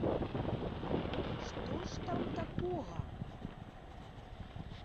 Што ж там такога?